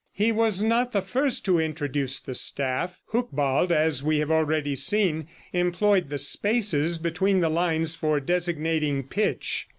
He was not the first who introduced the staff. Hucbald, as we have already seen, employed the spaces between the lines for designating pitch.